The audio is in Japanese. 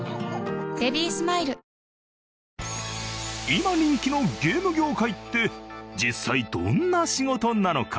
今人気のゲーム業界って実際どんな仕事なのか？